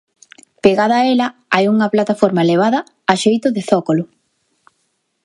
Pegada a ela hai unha plataforma elevada a xeito de zócolo.